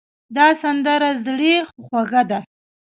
دا سندره زړې خو خوږه ده.